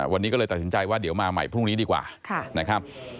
วันนี้ก็เลยตัดสินใจว่าเดี๋ยวมาใหม่พรุ่งนี้ดีกว่านะครับ